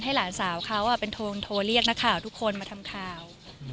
หลานสาวเขาเป็นโทรเรียกนักข่าวทุกคนมาทำข่าว